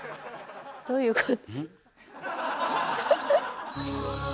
どういうこと？